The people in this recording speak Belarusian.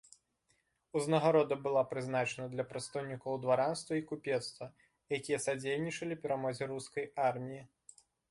Узнагарода была прызначана для прадстаўнікоў дваранства і купецтва, якія садзейнічалі перамозе рускай арміі.